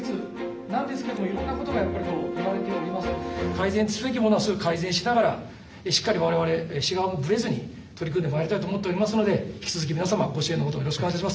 改善すべきものはすぐ改善しながらしっかり我々市側もぶれずに取り組んでまいりたいと思っておりますので引き続き皆様ご支援のほどよろしくお願いいたします。